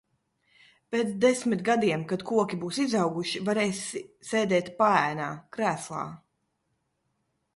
Pēc desmit gadiem kad koki būs izauguši, varēsi sēdēt paēnā, krēslā.